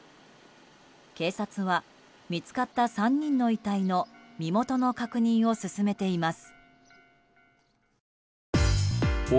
警察は、見つかった３人の遺体の身元の確認を進めています。